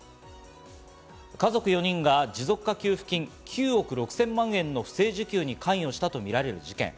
家族４人が持続化給付金９億６０００万円の不正受給に関与したとみられる事件。